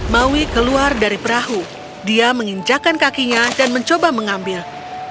maui keluar dari perahu dia menginjakan kakinya dan mencoba mengambil